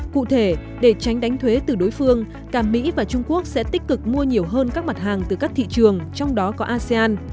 cụ thể để tránh đánh thuế từ đối phương cả mỹ và trung quốc sẽ tích cực mua nhiều hơn các mặt hàng từ các thị trường trong đó có asean